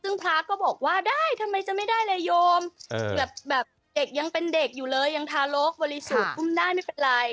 ซึ่งพระก็บอกว่าได้ทำไมจะไม่ได้เลยโยมแบบเด็กยังเป็นเด็กอยู่เลยยังทารกบริสุทธิอุ้มได้ไม่เป็นไร